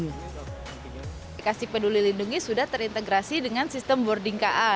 aplikasi peduli lindungi sudah terintegrasi dengan sistem boarding ka